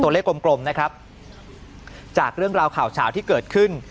เลขกลมกลมนะครับจากเรื่องราวข่าวเฉาที่เกิดขึ้น